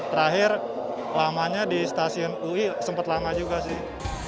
terakhir lamanya di stasiun ui sempat lama juga sih